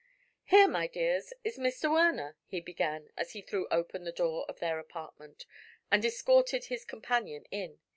"Here, my dears, is Mr. Werner," he began, as he threw open the door of their apartment and escorted his companion in.